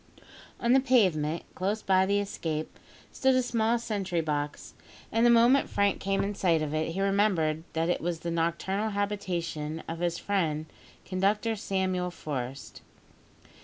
On the pavement, close by the escape, stood a small sentry box, and the moment Frank came in sight of it he remembered that it was the nocturnal habitation of his friend Conductor Samuel Forest.